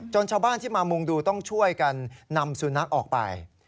ชาวบ้านที่มามุงดูต้องช่วยกันนำสุนัขออกไป